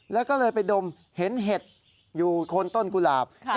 แล้วก็เลยไปดมเห็นเห็ดอยู่คนต้นกุหลาบ